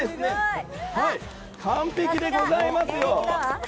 完璧でございますよ！